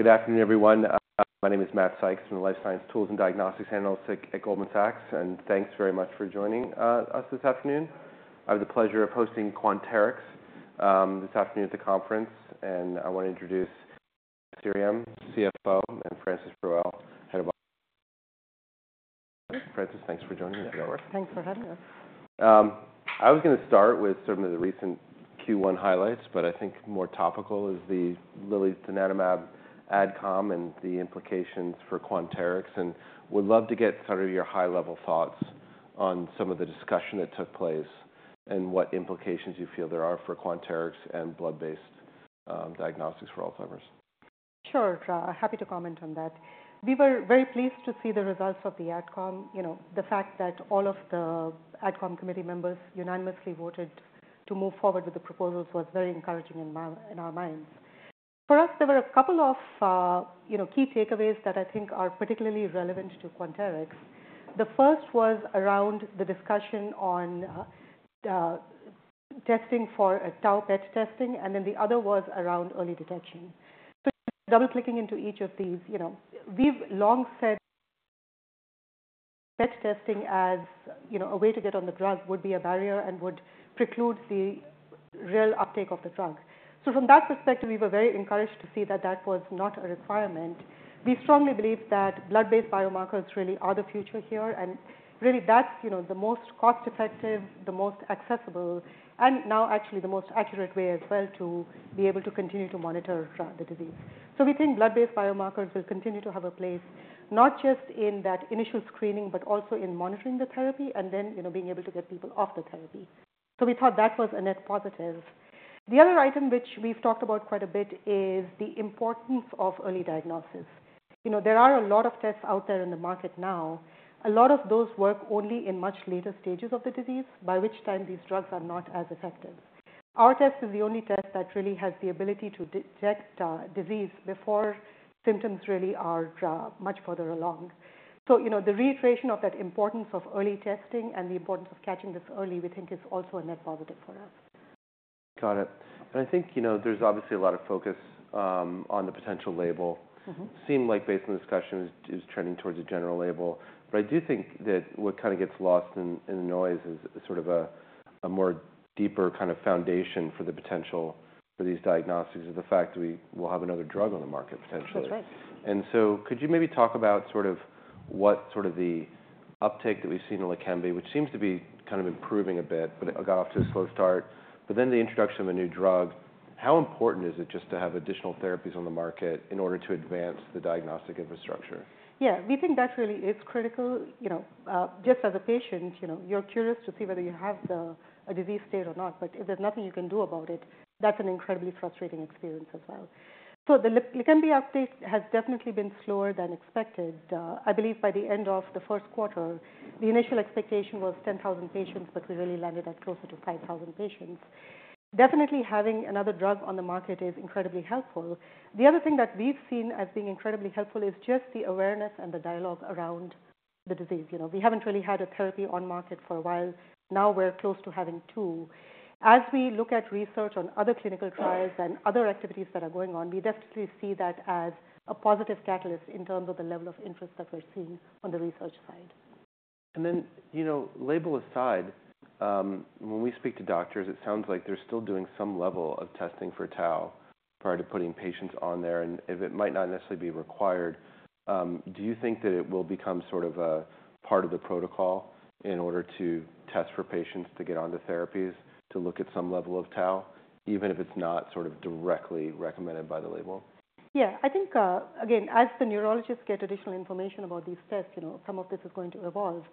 Good afternoon, everyone. My name is Matt Sykes, from the Life Sciences, Tools, and Diagnostics Analysts at Goldman Sachs, and thanks very much for joining us this afternoon. I have the pleasure of hosting Quanterix this afternoon at the conference, and I want to introduce Vandana Sriram, CFO, and Francis Perrault, Head of Ops. Francis, thanks for joining us. Thanks for having us. I was going to start with some of the recent Q1 highlights, but I think more topical is the Lilly's Donanemab Adcom and the implications for Quanterix, and would love to get sort of your high-level thoughts on some of the discussion that took place and what implications you feel there are for Quanterix and blood-based diagnostics for Alzheimer's. Sure, happy to comment on that. We were very pleased to see the results of the Adcom. The fact that all of the Adcom committee members unanimously voted to move forward with the proposals was very encouraging in our minds. For us, there were a couple of key takeaways that I think are particularly relevant to Quanterix. The first was around the discussion on testing for Tau PET testing, and then the other was around early detection. So double-clicking into each of these, we've long said PET testing as a way to get on the drug would be a barrier and would preclude the real uptake of the drug. So from that perspective, we were very encouraged to see that that was not a requirement. We strongly believe that blood-based biomarkers really are the future here, and really that's the most cost-effective, the most accessible, and now actually the most accurate way as well to be able to continue to monitor the disease. So we think blood-based biomarkers will continue to have a place, not just in that initial screening, but also in monitoring the therapy and then being able to get people off the therapy. So we thought that was a net positive. The other item which we've talked about quite a bit is the importance of early diagnosis. There are a lot of tests out there in the market now. A lot of those work only in much later stages of the disease, by which time these drugs are not as effective. Our test is the only test that really has the ability to detect disease before symptoms really are much further along. The reiteration of that importance of early testing and the importance of catching this early, we think, is also a net positive for us. Got it. I think there's obviously a lot of focus on the potential label. It seemed like based on the discussion, it was trending towards a general label, but I do think that what kind of gets lost in the noise is sort of a more deeper kind of foundation for the potential for these diagnostics of the fact that we will have another drug on the market potentially. That's right. Could you maybe talk about sort of what sort of the uptake that we've seen in Leqembi, which seems to be kind of improving a bit, but it got off to a slow start, but then the introduction of a new drug, how important is it just to have additional therapies on the market in order to advance the diagnostic infrastructure? Yeah, we think that really is critical. Just as a patient, you're curious to see whether you have a disease state or not, but if there's nothing you can do about it, that's an incredibly frustrating experience as well. So the Leqembi uptake has definitely been slower than expected. I believe by the end of the first quarter, the initial expectation was 10,000 patients, but we really landed at closer to 5,000 patients. Definitely having another drug on the market is incredibly helpful. The other thing that we've seen as being incredibly helpful is just the awareness and the dialogue around the disease. We haven't really had a therapy on market for a while. Now we're close to having two. As we look at research on other clinical trials and other activities that are going on, we definitely see that as a positive catalyst in terms of the level of interest that we're seeing on the research side. Then label aside, when we speak to doctors, it sounds like they're still doing some level of testing for tau prior to putting patients on there, and it might not necessarily be required. Do you think that it will become sort of a part of the protocol in order to test for patients to get onto therapies to look at some level of tau, even if it's not sort of directly recommended by the label? Yeah, I think, again, as the neurologists get additional information about these tests, some of this is going to evolve.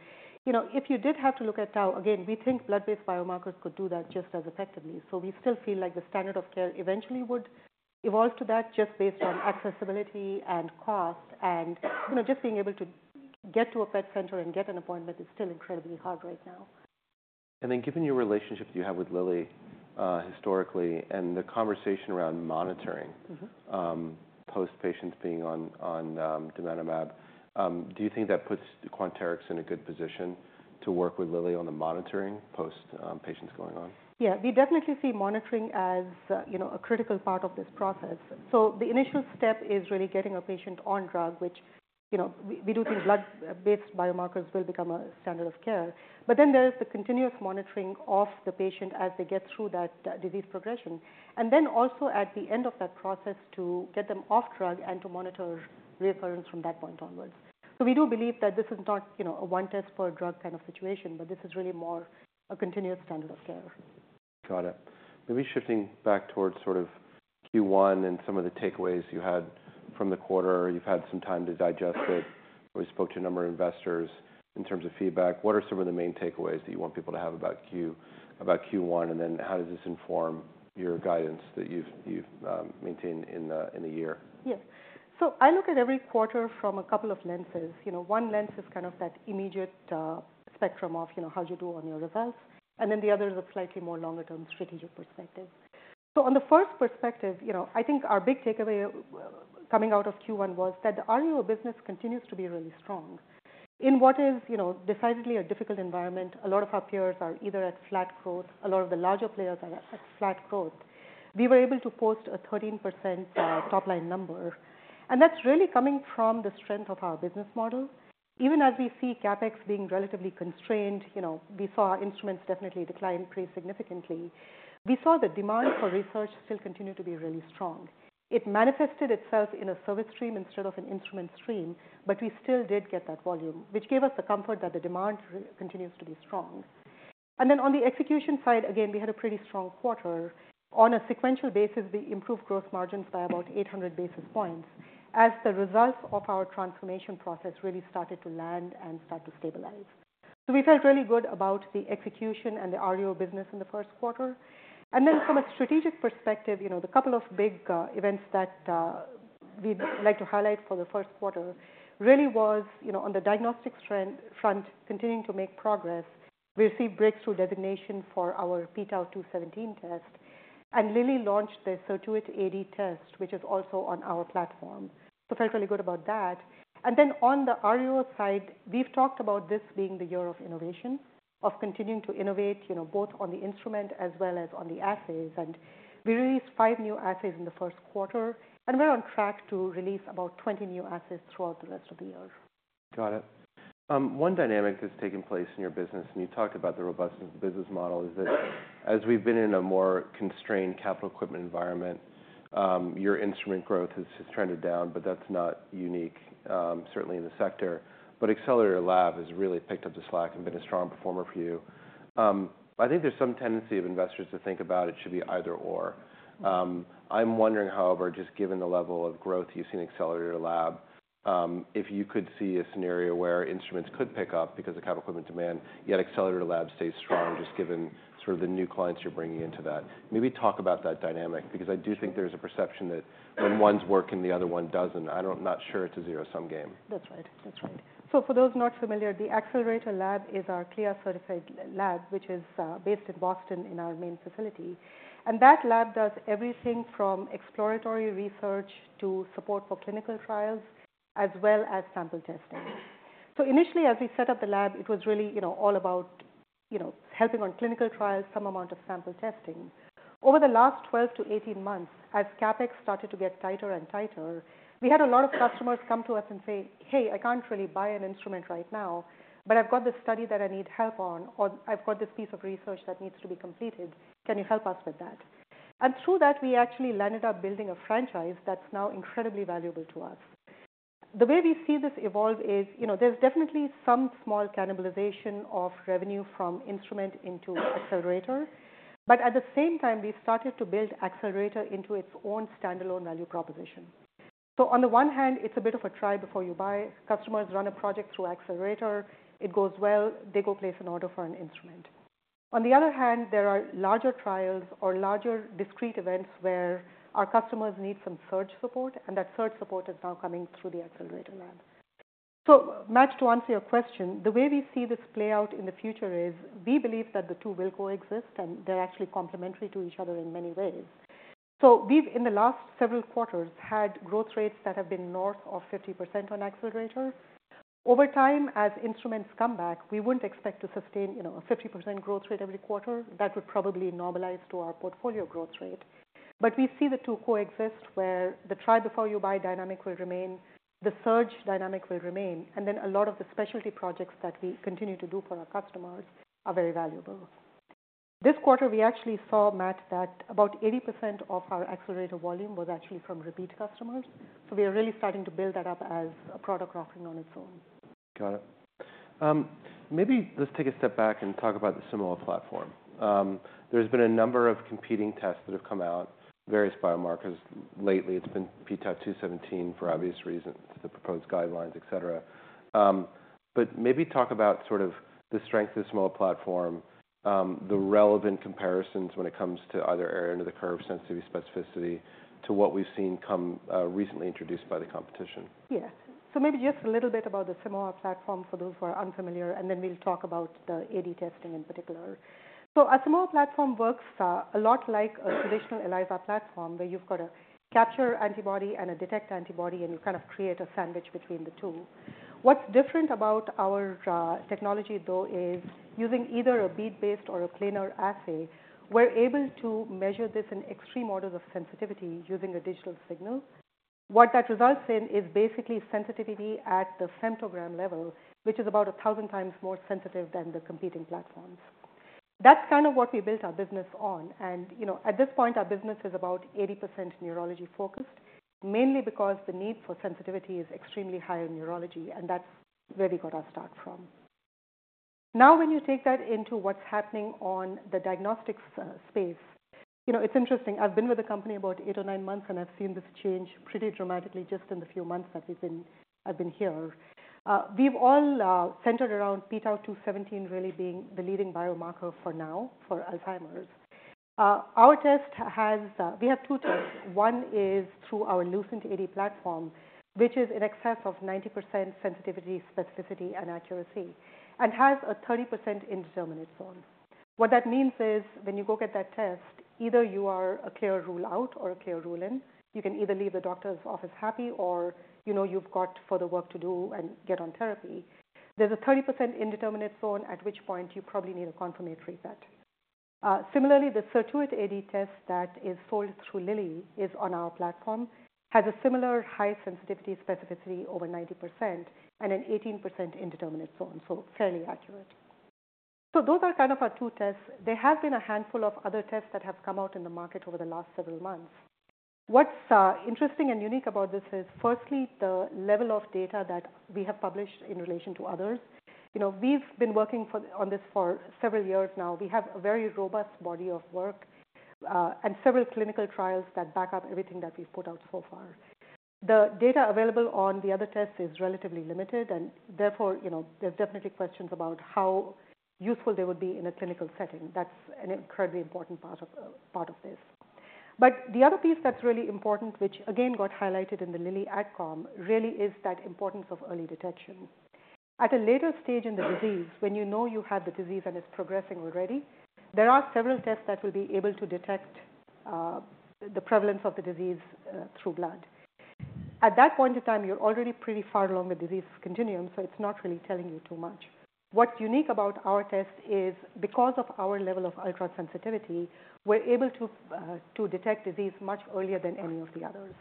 If you did have to look at tau, again, we think blood-based biomarkers could do that just as effectively. So we still feel like the standard of care eventually would evolve to that just based on accessibility and cost, and just being able to get to a PET center and get an appointment is still incredibly hard right now. Given your relationship that you have with Lilly historically and the conversation around monitoring post-patients being on Donanemab, do you think that puts Quanterix in a good position to work with Lilly on the monitoring post-patients going on? Yeah, we definitely see monitoring as a critical part of this process. So the initial step is really getting a patient on drug, which we do think blood-based biomarkers will become a standard of care, but then there is the continuous monitoring of the patient as they get through that disease progression, and then also at the end of that process to get them off drug and to monitor recurrence from that point onwards. So we do believe that this is not a one test per drug kind of situation, but this is really more a continuous standard of care. Got it. Maybe shifting back towards sort of Q1 and some of the takeaways you had from the quarter, you've had some time to digest it, where we spoke to a number of investors in terms of feedback. What are some of the main takeaways that you want people to have about Q1, and then how does this inform your guidance that you've maintained in the year? Yes. So I look at every quarter from a couple of lenses. One lens is kind of that immediate spectrum of how you do on your results, and then the other is a slightly more longer-term strategic perspective. So on the first perspective, I think our big takeaway coming out of Q1 was that the RUO business continues to be really strong. In what is decidedly a difficult environment, a lot of our peers are either at flat growth, a lot of the larger players are at flat growth. We were able to post a 13% top-line number, and that's really coming from the strength of our business model. Even as we see CapEx being relatively constrained, we saw our instruments definitely decline pretty significantly. We saw the demand for research still continue to be really strong. It manifested itself in a service stream instead of an instrument stream, but we still did get that volume, which gave us the comfort that the demand continues to be strong. And then on the execution side, again, we had a pretty strong quarter. On a sequential basis, we improved gross margins by about 800 basis points as the results of our transformation process really started to land and start to stabilize. So we felt really good about the execution and the RUO business in the first quarter. And then from a strategic perspective, the couple of big events that we'd like to highlight for the first quarter really was on the diagnostics front, continuing to make progress. We received breakthrough designation for our p-Tau 217 test, and Eli Lilly launched the p-Tau 217 AD testt, which is also on our platform. So felt really good about that. And then on the RUO side, we've talked about this being the year of innovation, of continuing to innovate both on the instrument as well as on the assays, and we released five new assays in the first quarter, and we're on track to release about 20 new assays throughout the rest of the year. Got it. One dynamic that's taken place in your business, and you talked about the robustness of the business model, is that as we've been in a more constrained capital equipment environment, your instrument growth has trended down, but that's not unique, certainly in the sector. But Accelerator Lab has really picked up the slack and been a strong performer for you. I think there's some tendency of investors to think about it should be either/or. I'm wondering, however, just given the level of growth you've seen at Accelerator Lab, if you could see a scenario where instruments could pick up because of capital equipment demand, yet Accelerator Lab stays strong just given sort of the new clients you're bringing into that. Maybe talk about that dynamic, because I do think there's a perception that when one's working, the other one doesn't. I'm not sure it's a zero-sum game. That's right. That's right. So for those not familiar, the Accelerator Lab is our CLIA-certified lab, which is based in Boston in our main facility. And that lab does everything from exploratory research to support for clinical trials as well as sample testing. So initially, as we set up the lab, it was really all about helping on clinical trials, some amount of sample testing. Over the last 12-18 months, as CapEx started to get tighter and tighter, we had a lot of customers come to us and say, "Hey, I can't really buy an instrument right now, but I've got this study that I need help on, or I've got this piece of research that needs to be completed. Can you help us with that?" And through that, we actually landed up building a franchise that's now incredibly valuable to us. The way we see this evolve is there's definitely some small cannibalization of revenue from instrument into accelerator, but at the same time, we started to build accelerator into its own standalone value proposition. So on the one hand, it's a bit of a try before you buy. Customers run a project through accelerator. It goes well. They go place an order for an instrument. On the other hand, there are larger trials or larger discrete events where our customers need some surge support, and that surge support is now coming through the accelerator lab. So Matt, to answer your question, the way we see this play out in the future is we believe that the two will coexist, and they're actually complementary to each other in many ways. So we've, in the last several quarters, had growth rates that have been north of 50% on accelerator. Over time, as instruments come back, we wouldn't expect to sustain a 50% growth rate every quarter. That would probably normalize to our portfolio growth rate. But we see the two coexist where the try before you buy dynamic will remain, the surge dynamic will remain, and then a lot of the specialty projects that we continue to do for our customers are very valuable. This quarter, we actually saw, Matt, that about 80% of our accelerator volume was actually from repeat customers. So we are really starting to build that up as a product offering on its own. Got it. Maybe let's take a step back and talk about the Simoa platform. There's been a number of competing tests that have come out, various biomarkers lately. It's been p-Tau 217 for obvious reasons, the proposed guidelines, etc. But maybe talk about sort of the strength of the Simoa platform, the relevant comparisons when it comes to either area under the curve, sensitivity, specificity to what we've seen come recently introduced by the competition. Yes. So maybe just a little bit about the Simoa platform for those who are unfamiliar, and then we'll talk about the AD testing in particular. So our Simoa platform works a lot like a traditional ELISA platform where you've got a capture antibody and a detect antibody, and you kind of create a sandwich between the two. What's different about our technology, though, is using either a bead-based or a planar assay, we're able to measure this in extreme orders of sensitivity using a digital signal. What that results in is basically sensitivity at the femtogram level, which is about 1,000 times more sensitive than the competing platforms. That's kind of what we built our business on. And at this point, our business is about 80% neurology-focused, mainly because the need for sensitivity is extremely high in neurology, and that's where we got our start from. Now, when you take that into what's happening on the diagnostics space, it's interesting. I've been with the company about 8 or 9 months, and I've seen this change pretty dramatically just in the few months that I've been here. We've all centered around p-Tau 217 really being the leading biomarker for now for Alzheimer's. We have two tests. One is through our LucentAD platform, which is in excess of 90% sensitivity, specificity, and accuracy, and has a 30% indeterminate zone. What that means is when you go get that test, either you are a clear rule out or a clear rule in. You can either leave the doctor's office happy or you've got further work to do and get on therapy. There's a 30% indeterminate zone, at which point you probably need a confirmatory set. Similarly, the Certuit AD test that is sold through Lilly is on our platform, has a similar high sensitivity, specificity over 90%, and an 18% indeterminate zone, so fairly accurate. So those are kind of our two tests. There have been a handful of other tests that have come out in the market over the last several months. What's interesting and unique about this is, firstly, the level of data that we have published in relation to others. We've been working on this for several years now. We have a very robust body of work and several clinical trials that back up everything that we've put out so far. The data available on the other tests is relatively limited, and therefore, there's definitely questions about how useful they would be in a clinical setting. That's an incredibly important part of this. But the other piece that's really important, which again got highlighted in the Lilly Adcom, really is that importance of early detection. At a later stage in the disease, when you know you have the disease and it's progressing already, there are several tests that will be able to detect the prevalence of the disease through blood. At that point in time, you're already pretty far along the disease continuum, so it's not really telling you too much. What's unique about our test is because of our level of ultrasensitivity, we're able to detect disease much earlier than any of the others.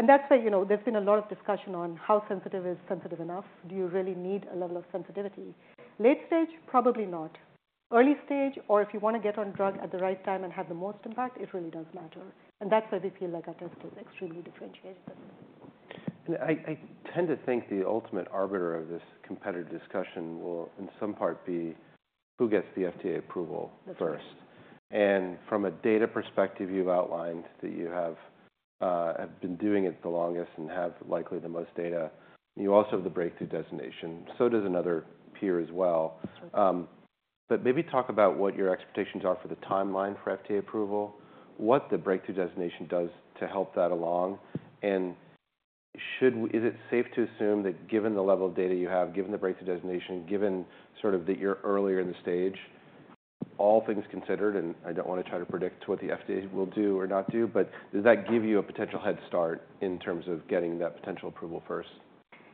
And that's where there's been a lot of discussion on how sensitive is sensitive enough. Do you really need a level of sensitivity? Late stage, probably not. Early stage, or if you want to get on drug at the right time and have the most impact, it really does matter. That's where we feel like our test is extremely differentiated. I tend to think the ultimate arbiter of this competitive discussion will in some part be who gets the FDA approval first. From a data perspective, you've outlined that you have been doing it the longest and have likely the most data. You also have the breakthrough designation. So does another peer as well. But maybe talk about what your expectations are for the timeline for FDA approval, what the breakthrough designation does to help that along, and is it safe to assume that given the level of data you have, given the breakthrough designation, given sort of that you're earlier in the stage, all things considered, and I don't want to try to predict what the FDA will do or not do, but does that give you a potential head start in terms of getting that potential approval first?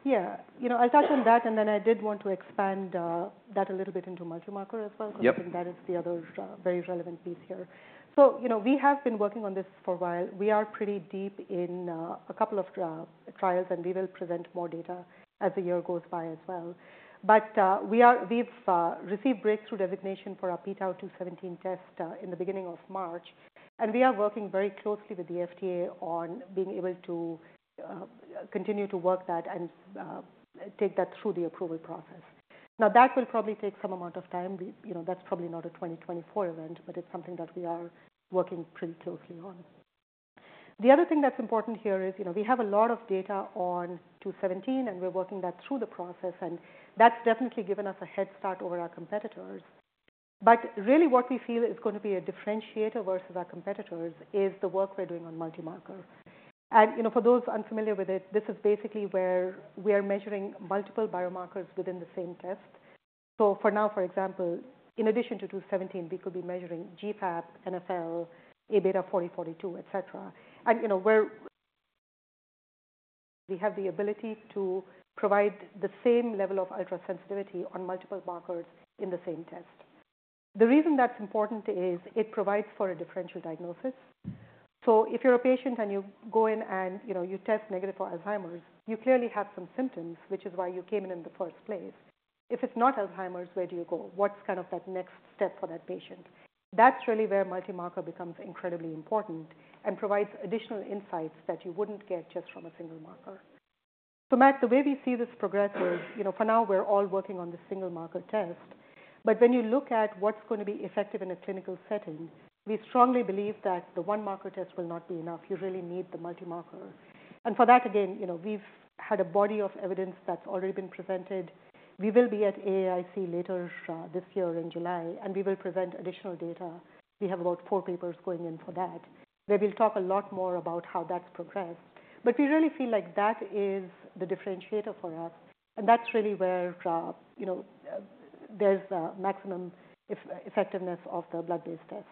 Yeah. I touch on that, and then I did want to expand that a little bit into multi-marker as well, because I think that is the other very relevant piece here. So we have been working on this for a while. We are pretty deep in a couple of trials, and we will present more data as the year goes by as well. But we've received breakthrough designation for our p-Tau 217 test in the beginning of March, and we are working very closely with the FDA on being able to continue to work that and take that through the approval process. Now, that will probably take some amount of time. That's probably not a 2024 event, but it's something that we are working pretty closely on. The other thing that's important here is we have a lot of data on 217, and we're working that through the process, and that's definitely given us a head start over our competitors. But really, what we feel is going to be a differentiator versus our competitors is the work we're doing on multi-marker. For those unfamiliar with it, this is basically where we are measuring multiple biomarkers within the same test. For now, for example, in addition to 217, we could be measuring GFAP, NfL, Aβ42/40, etc. We have the ability to provide the same level of ultrasensitivity on multiple markers in the same test. The reason that's important is it provides for a differential diagnosis. If you're a patient and you go in and you test negative for Alzheimer's, you clearly have some symptoms, which is why you came in in the first place. If it's not Alzheimer's, where do you go? What's kind of that next step for that patient? That's really where multi-marker becomes incredibly important and provides additional insights that you wouldn't get just from a single marker. So Matt, the way we see this progress is for now, we're all working on the single marker test. But when you look at what's going to be effective in a clinical setting, we strongly believe that the one marker test will not be enough. You really need the multi-marker. And for that, again, we've had a body of evidence that's already been presented. We will be at AAIC later this year in July, and we will present additional data. We have about four papers going in for that, where we'll talk a lot more about how that's progressed. We really feel like that is the differentiator for us, and that's really where there's maximum effectiveness of the blood-based test.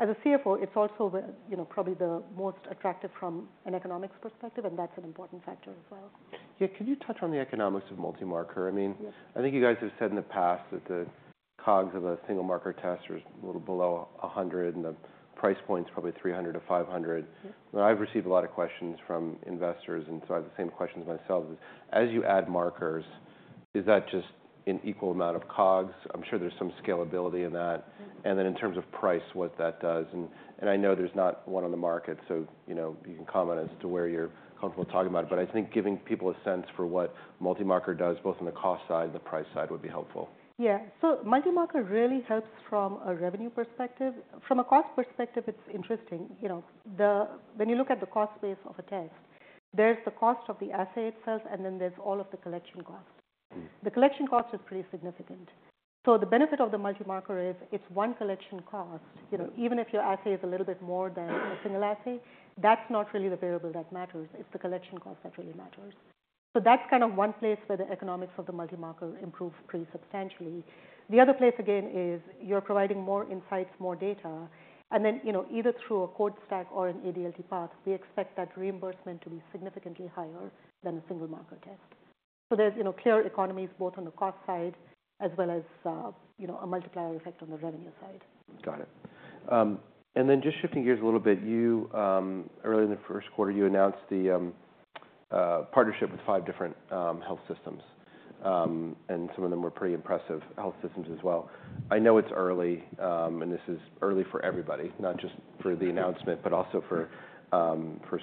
As a CFO, it's also probably the most attractive from an economics perspective, and that's an important factor as well. Yeah. Can you touch on the economics of multi-marker? I mean, I think you guys have said in the past that the COGS of a single marker test is a little below $100, and the price point's probably $300-$500. I've received a lot of questions from investors, and so I have the same questions myself. As you add markers, is that just an equal amount of COGS? I'm sure there's some scalability in that. And then in terms of price, what that does? And I know there's not one on the market, so you can comment as to where you're comfortable talking about it, but I think giving people a sense for what multi-marker does, both on the cost side and the price side, would be helpful. Yeah. So multi-marker really helps from a revenue perspective. From a cost perspective, it's interesting. When you look at the cost space of a test, there's the cost of the assay itself, and then there's all of the collection cost. The collection cost is pretty significant. So the benefit of the multi-marker is it's one collection cost. Even if your assay is a little bit more than a single assay, that's not really the variable that matters. It's the collection cost that really matters. So that's kind of one place where the economics of the multi-marker improve pretty substantially. The other place, again, is you're providing more insights, more data, and then either through a code stack or an ADLT path, we expect that reimbursement to be significantly higher than a single marker test. There's clear economies both on the cost side as well as a multiplier effect on the revenue side. Got it. And then just shifting gears a little bit, earlier in the first quarter, you announced the partnership with five different health systems, and some of them were pretty impressive health systems as well. I know it's early, and this is early for everybody, not just for the announcement, but also for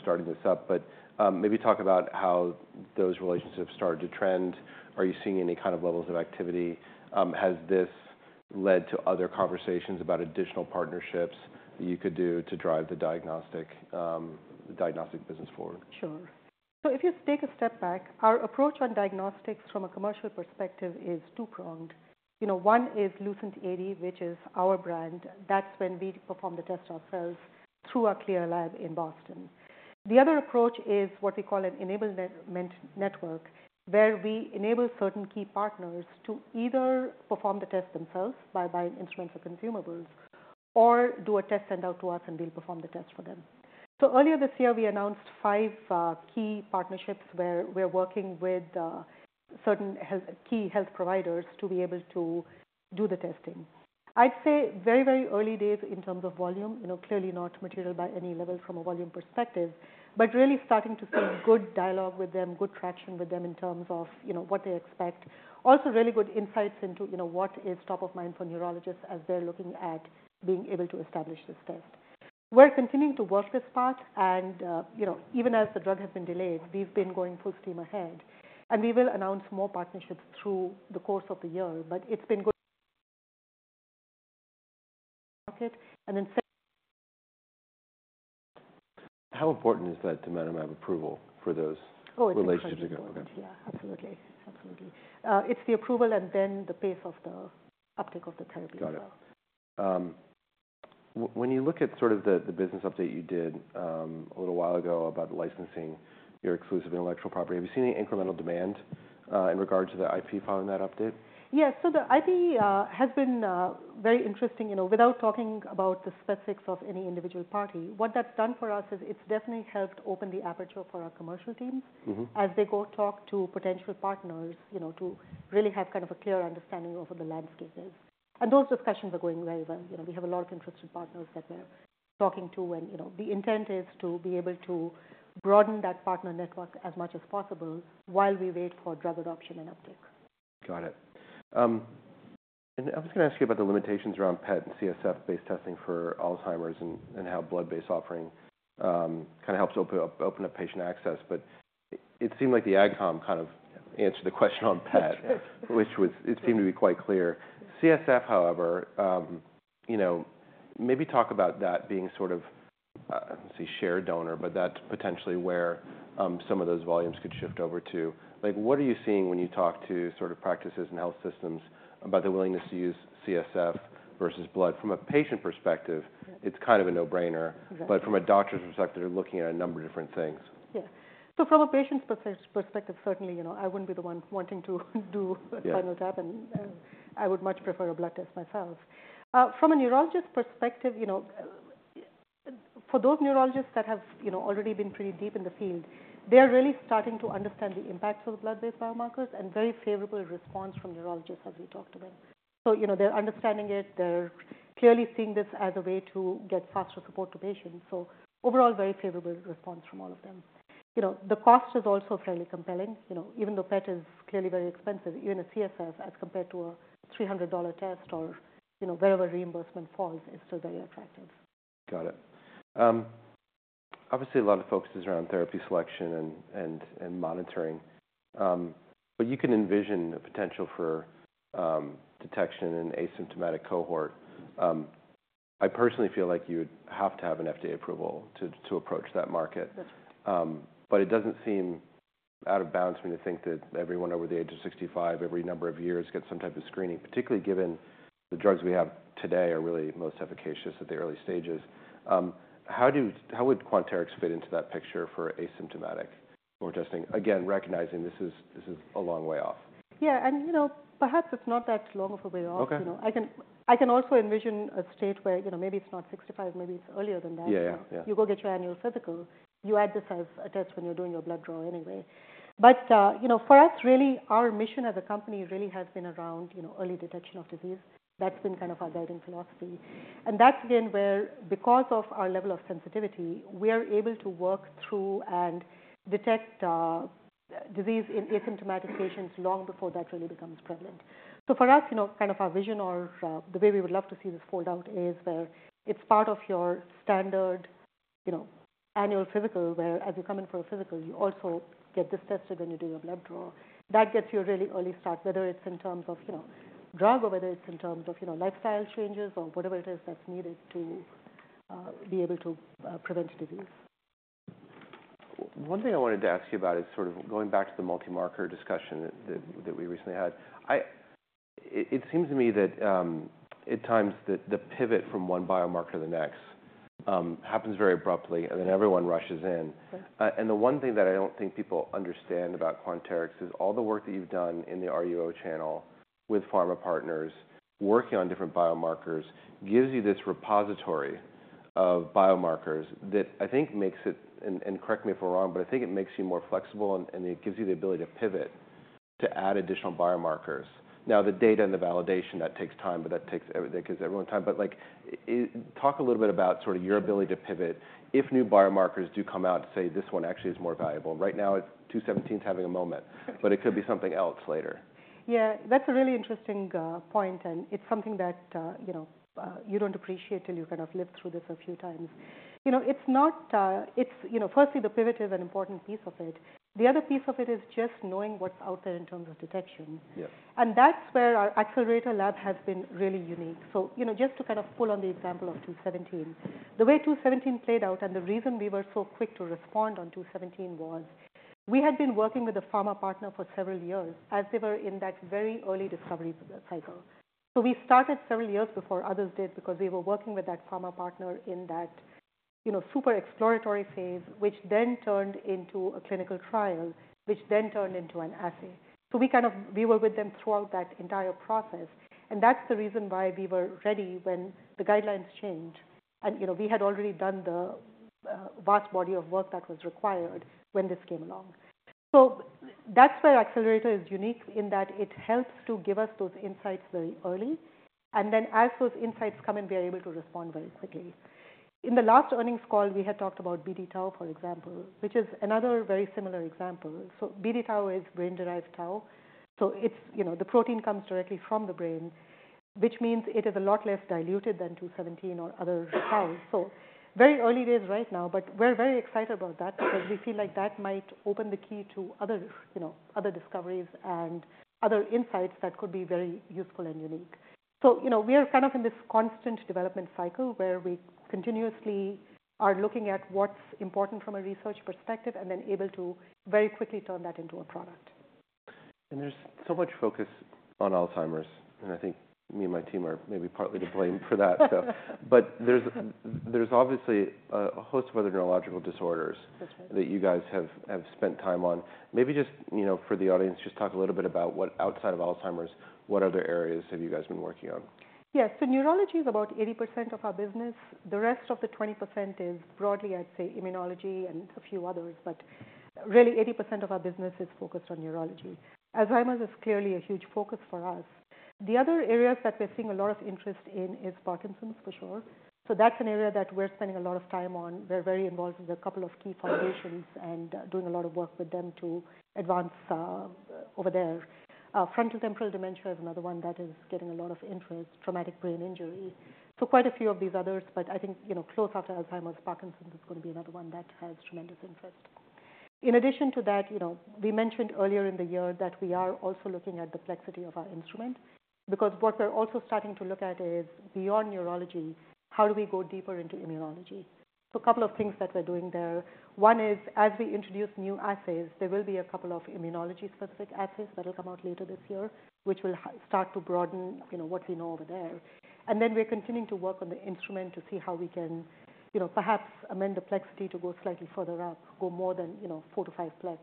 starting this up. But maybe talk about how those relationships started to trend. Are you seeing any kind of levels of activity? Has this led to other conversations about additional partnerships that you could do to drive the diagnostic business forward? Sure. So if you take a step back, our approach on diagnostics from a commercial perspective is two-pronged. One is LucentAD, which is our brand. That's when we perform the test ourselves through our Accelerator Lab in Boston. The other approach is what we call an enablement network, where we enable certain key partners to either perform the test themselves by buying instruments or consumables or do a test send-out to us, and we'll perform the test for them. So earlier this year, we announced 5 key partnerships where we're working with certain key health providers to be able to do the testing. I'd say very, very early days in terms of volume, clearly not material by any level from a volume perspective, but really starting to see good dialogue with them, good traction with them in terms of what they expect. Also, really good insights into what is top of mind for neurologists as they're looking at being able to establish this test. We're continuing to work this part, and even as the drug has been delayed, we've been going full steam ahead. And we will announce more partnerships through the course of the year, but it's been good. How important is that to Vandana have approval for those relationships? Oh, it's very important. Yeah, absolutely. It's the approval and then the pace of the uptake of the therapy as well. Got it. When you look at sort of the business update you did a little while ago about licensing your exclusive intellectual property, have you seen any incremental demand in regard to the IP following that update? Yes. So the IP has been very interesting. Without talking about the specifics of any individual party, what that's done for us is it's definitely helped open the aperture for our commercial teams as they go talk to potential partners to really have kind of a clear understanding of what the landscape is. And those discussions are going very well. We have a lot of interested partners that we're talking to, and the intent is to be able to broaden that partner network as much as possible while we wait for drug adoption and uptake. Got it. And I was going to ask you about the limitations around PET and CSF-based testing for Alzheimer's and how blood-based offering kind of helps open up patient access. But it seemed like the Adcom kind of answered the question on PET, which it seemed to be quite clear. CSF, however, maybe talk about that being sort of, let's see, shared donor, but that's potentially where some of those volumes could shift over to. What are you seeing when you talk to sort of practices and health systems about the willingness to use CSF versus blood? From a patient perspective, it's kind of a no-brainer, but from a doctor's perspective, they're looking at a number of different things. Yeah. So from a patient's perspective, certainly, I wouldn't be the one wanting to do a spinal tap, and I would much prefer a blood test myself. From a neurologist's perspective, for those neurologists that have already been pretty deep in the field, they're really starting to understand the impacts of the blood-based biomarkers and very favorable response from neurologists as we talk to them. So they're understanding it. They're clearly seeing this as a way to get faster support to patients. So overall, very favorable response from all of them. The cost is also fairly compelling. Even though PET is clearly very expensive, even a CSF as compared to a $300 test or wherever reimbursement falls is still very attractive. Got it. Obviously, a lot of focus is around therapy selection and monitoring, but you can envision a potential for detection in an asymptomatic cohort. I personally feel like you would have to have an FDA approval to approach that market. But it doesn't seem out of bounds for me to think that everyone over the age of 65, every number of years gets some type of screening, particularly given the drugs we have today are really most efficacious at the early stages. How would Quanterix fit into that picture for asymptomatic cohort testing? Again, recognizing this is a long way off. Yeah. And perhaps it's not that long of a way off. I can also envision a state where maybe it's not 65, maybe it's earlier than that. You go get your annual physical. You add this as a test when you're doing your blood draw anyway. But for us, really, our mission as a company really has been around early detection of disease. That's been kind of our guiding philosophy. And that's again where, because of our level of sensitivity, we are able to work through and detect disease in asymptomatic patients long before that really becomes prevalent. So for us, kind of our vision or the way we would love to see this fold out is where it's part of your standard annual physical, whereas you come in for a physical, you also get this tested when you do your blood draw. That gets you a really early start, whether it's in terms of drug or whether it's in terms of lifestyle changes or whatever it is that's needed to be able to prevent disease. One thing I wanted to ask you about is sort of going back to the multi-marker discussion that we recently had. It seems to me that at times the pivot from one biomarker to the next happens very abruptly, and then everyone rushes in. And the one thing that I don't think people understand about Quanterix is all the work that you've done in the RUO channel with pharma partners working on different biomarkers gives you this repository of biomarkers that I think makes it, and correct me if I'm wrong, but I think it makes you more flexible, and it gives you the ability to pivot to add additional biomarkers. Now, the data and the validation, that takes time, but that takes everyone's time. But talk a little bit about sort of your ability to pivot if new biomarkers do come out to say, "This one actually is more valuable." Right now, 217 is having a moment, but it could be something else later. Yeah. That's a really interesting point, and it's something that you don't appreciate till you kind of live through this a few times. It's not firstly, the pivot is an important piece of it. The other piece of it is just knowing what's out there in terms of detection. And that's where our Accelerator Lab has been really unique. So just to kind of pull on the example of 217, the way 217 played out and the reason we were so quick to respond on 217 was we had been working with a pharma partner for several years as they were in that very early discovery cycle. So we started several years before others did because we were working with that pharma partner in that super exploratory phase, which then turned into a clinical trial, which then turned into an assay. So we were with them throughout that entire process. That's the reason why we were ready when the guidelines changed. We had already done the vast body of work that was required when this came along. That's where Accelerator is unique in that it helps to give us those insights very early. Then as those insights come in, we are able to respond very quickly. In the last earnings call, we had talked about BD-Tau, for example, which is another very similar example. BD-Tau is brain-derived tau. The protein comes directly from the brain, which means it is a lot less diluted than 217 or other tau. Very early days right now, but we're very excited about that because we feel like that might open the key to other discoveries and other insights that could be very useful and unique. We are kind of in this constant development cycle where we continuously are looking at what's important from a research perspective and then able to very quickly turn that into a product. There's so much focus on Alzheimer's, and I think me and my team are maybe partly to blame for that. But there's obviously a host of other neurological disorders that you guys have spent time on. Maybe just for the audience, just talk a little bit about what outside of Alzheimer's, what other areas have you guys been working on? Yeah. So neurology is about 80% of our business. The rest of the 20% is broadly, I'd say, immunology and a few others, but really 80% of our business is focused on neurology. Alzheimer's is clearly a huge focus for us. The other areas that we're seeing a lot of interest in is Parkinson's, for sure. So that's an area that we're spending a lot of time on. We're very involved with a couple of key foundations and doing a lot of work with them to advance over there. Frontotemporal dementia is another one that is getting a lot of interest, traumatic brain injury. So quite a few of these others, but I think close after Alzheimer's, Parkinson's is going to be another one that has tremendous interest. In addition to that, we mentioned earlier in the year that we are also looking at the plexity of our instrument because what we're also starting to look at is beyond neurology, how do we go deeper into immunology? So a couple of things that we're doing there. One is as we introduce new assays, there will be a couple of immunology-specific assays that will come out later this year, which will start to broaden what we know over there. And then we're continuing to work on the instrument to see how we can perhaps amend the plexity to go slightly further up, go more than 4-5 plex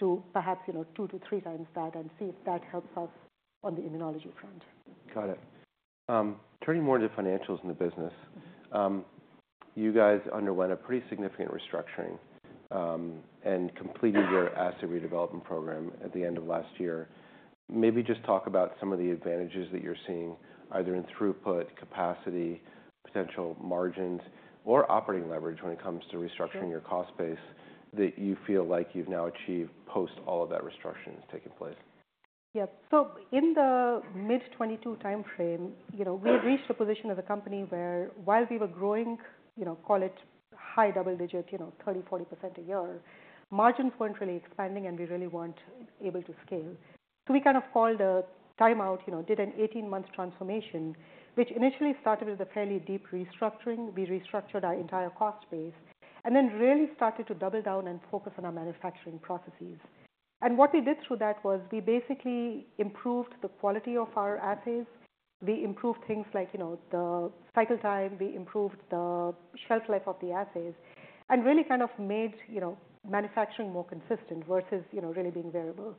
to perhaps 2-3 times that and see if that helps us on the immunology front. Got it. Turning more to financials in the business, you guys underwent a pretty significant restructuring and completed your asset redevelopment program at the end of last year. Maybe just talk about some of the advantages that you're seeing, either in throughput, capacity, potential margins, or operating leverage when it comes to restructuring your cost base that you feel like you've now achieved post all of that restructuring has taken place? Yep. So in the mid-2022 timeframe, we reached a position as a company where while we were growing, call it high double-digit, 30%-40% a year, margins weren't really expanding, and we really weren't able to scale. So we kind of called a timeout, did an 18-month transformation, which initially started with a fairly deep restructuring. We restructured our entire cost base and then really started to double down and focus on our manufacturing processes. And what we did through that was we basically improved the quality of our assays. We improved things like the cycle time. We improved the shelf life of the assays and really kind of made manufacturing more consistent versus really being variable.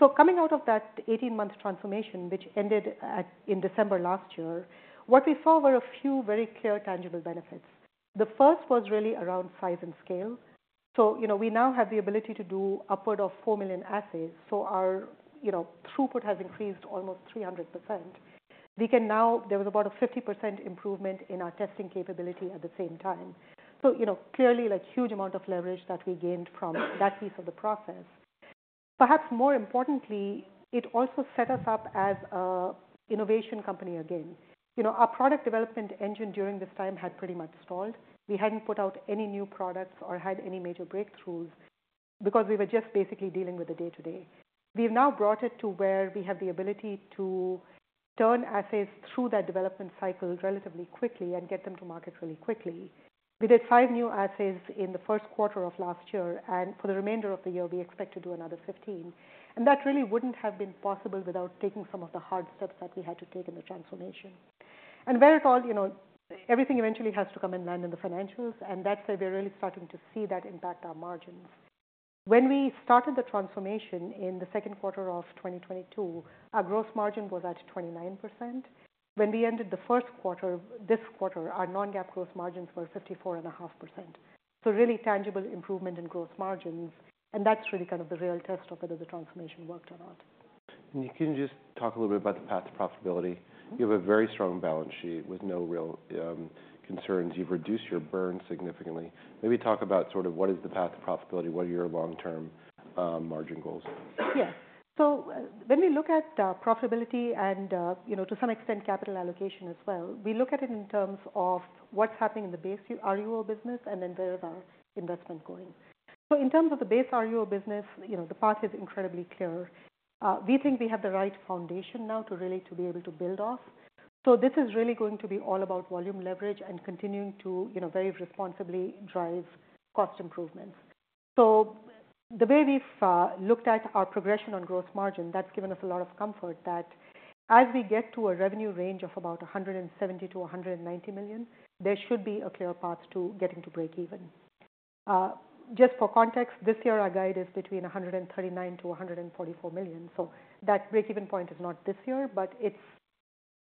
So coming out of that 18-month transformation, which ended in December last year, what we saw were a few very clear tangible benefits. The first was really around size and scale. So we now have the ability to do upward of 4 million assays. So our throughput has increased almost 300%. There was about a 50% improvement in our testing capability at the same time. So clearly, a huge amount of leverage that we gained from that piece of the process. Perhaps more importantly, it also set us up as an innovation company again. Our product development engine during this time had pretty much stalled. We hadn't put out any new products or had any major breakthroughs because we were just basically dealing with the day-to-day. We've now brought it to where we have the ability to turn assays through that development cycle relatively quickly and get them to market really quickly. We did five new assays in the first quarter of last year, and for the remainder of the year, we expect to do another 15. That really wouldn't have been possible without taking some of the hard steps that we had to take in the transformation. Where it all, everything eventually has to come and land in the financials, and that's where we're really starting to see that impact our margins. When we started the transformation in the second quarter of 2022, our gross margin was at 29%. When we ended the first quarter, this quarter, our non-GAAP gross margins were 54.5%. Really tangible improvement in gross margins, and that's really kind of the real test of whether the transformation worked or not. You can just talk a little bit about the path to profitability. You have a very strong balance sheet with no real concerns. You've reduced your burn significantly. Maybe talk about sort of what is the path to profitability, what are your long-term margin goals? Yeah. So when we look at profitability and to some extent capital allocation as well, we look at it in terms of what's happening in the base RUO business and then where is our investment going. So in terms of the base RUO business, the path is incredibly clear. We think we have the right foundation now to really be able to build off. So this is really going to be all about volume leverage and continuing to very responsibly drive cost improvements. So the way we've looked at our progression on gross margin, that's given us a lot of comfort that as we get to a revenue range of about $170 million-$190 million, there should be a clear path to getting to break-even. Just for context, this year, our guide is between $139 million-$144 million. So that break-even point is not this year, but it's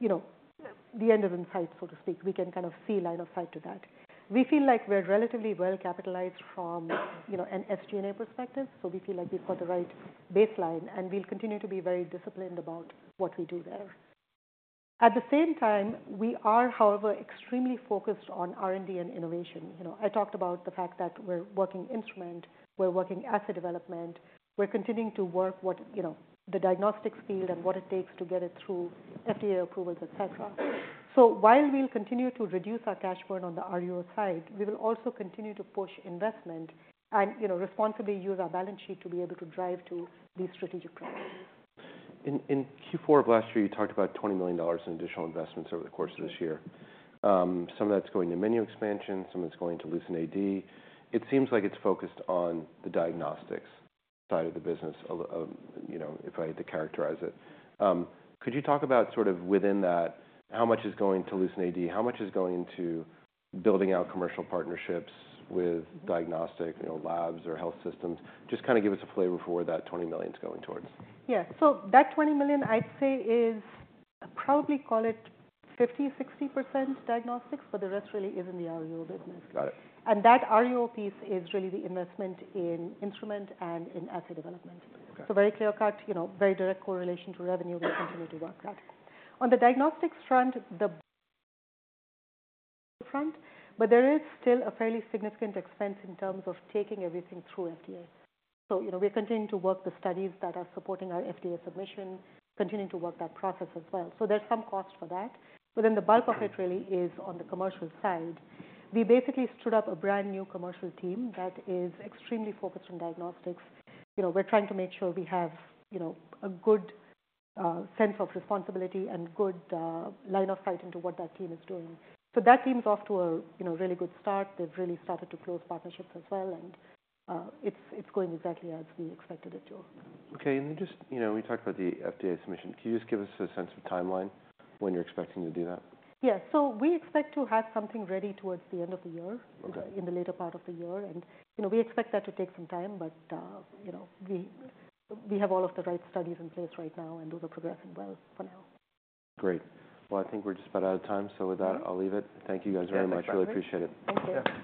the end is in sight, so to speak. We can kind of see line of sight to that. We feel like we're relatively well capitalized from an SG&A perspective. So we feel like we've got the right baseline, and we'll continue to be very disciplined about what we do there. At the same time, we are, however, extremely focused on R&D and innovation. I talked about the fact that we're working instrument, we're working assay development, we're continuing to work the diagnostics field and what it takes to get it through FDA approvals, etc. So while we'll continue to reduce our cash burn on the RUO side, we will also continue to push investment and responsibly use our balance sheet to be able to drive to these strategic priorities. In Q4 of last year, you talked about $20 million in additional investments over the course of this year. Some of that's going to menu expansion. Some of it's going to LucentAD. It seems like it's focused on the diagnostics side of the business, if I had to characterize it. Could you talk about sort of within that, how much is going to LucentAD, how much is going into building out commercial partnerships with diagnostic labs or health systems? Just kind of give us a flavor for where that 20 million is going towards. Yeah. So that $20 million, I'd say, is probably call it 50%-60% diagnostics, but the rest really is in the RUO business. Got it. That RUO piece is really the investment in instrument and in asset development. So very clear-cut, very direct correlation to revenue. We'll continue to work that. On the diagnostics front, but there is still a fairly significant expense in terms of taking everything through FDA. So we're continuing to work the studies that are supporting our FDA submission, continuing to work that process as well. So there's some cost for that, but then the bulk of it really is on the commercial side. We basically stood up a brand new commercial team that is extremely focused on diagnostics. We're trying to make sure we have a good sense of responsibility and good line of sight into what that team is doing. So that team's off to a really good start. They've really started to close partnerships as well, and it's going exactly as we expected it to. Okay. And just we talked about the FDA submission. Can you just give us a sense of timeline when you're expecting to do that? Yeah. So we expect to have something ready toward the end of the year, in the later part of the year. And we expect that to take some time, but we have all of the right studies in place right now, and those are progressing well for now. Great. Well, I think we're just about out of time. So with that, I'll leave it. Thank you guys very much. Really appreciate it. Thank you.